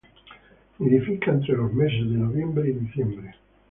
Nidifica entre los meses de noviembre y diciembre.